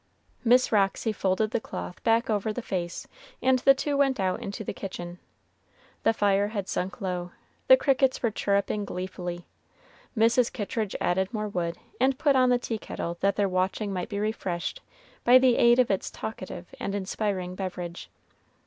Miss Roxy folded the cloth back over the face, and the two went out into the kitchen. The fire had sunk low the crickets were chirruping gleefully. Mrs. Kittridge added more wood, and put on the tea kettle that their watching might be refreshed by the aid of its talkative and inspiring beverage.